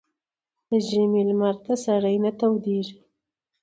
ـ د ژمي لمر ته سړى نه تودېږي.